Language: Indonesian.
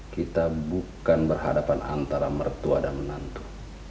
kita bukan berhadapan antara mertua dan menantu